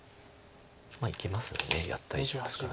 いきますよねやった以上ですから。